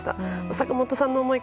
坂本さんの思い